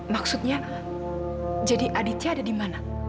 maksudnya jadi aditnya ada di mana